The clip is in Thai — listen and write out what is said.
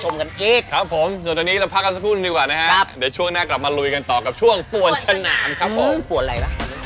เป็นโกต้องบ้างอ่ะเต็มด้วย